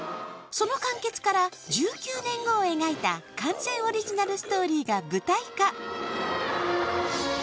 その完結から１９年後を描いた完全オリジナルストーリーが舞台化。